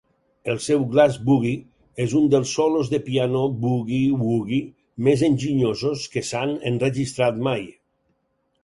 El seu Glass Boogie és un dels solos de piano boogie-woogie més enginyosos que s'han enregistrat mai.